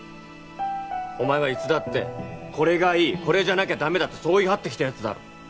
お前はいつだってこれがいいこれじゃなきゃダメだってそう言い張ってきたやつだろ